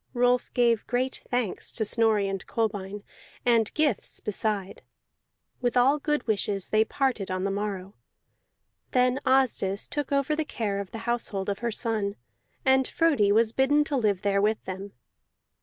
Rolf gave great thanks to Snorri and Kolbein, and gifts beside; with all good wishes they parted on the morrow. Then Asdis took over the care of the household of her son, and Frodi was bidden to live there with them.